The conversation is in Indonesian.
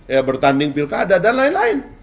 ya bertanding pilkada dan lain lain